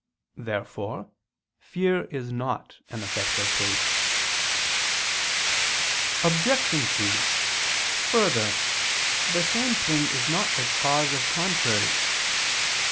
Therefore fear is not an effect of faith. Obj. 2: Further, the same thing is not the cause of contraries.